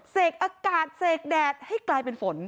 อากาศเสกแดดให้กลายเป็นฝน